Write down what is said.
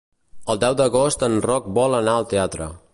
El deu d'agost en Roc vol anar al teatre.